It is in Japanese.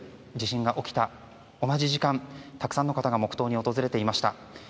地震が起きた同じ時間たくさんの方が黙祷に訪れていました。